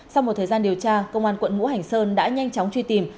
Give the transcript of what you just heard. sau một thời gian điều tra công an quận ngũ hành sơn đã nhanh chóng truy tìm